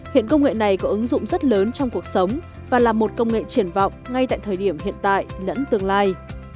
hiện công nghệ này có ứng dụng rất lớn trong cuộc sống và là một công nghệ triển vọng ngay tại thời điểm hiện tại lẫn tương lai